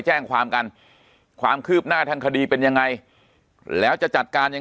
แจ้งความกันความคืบหน้าทางคดีเป็นยังไงแล้วจะจัดการยัง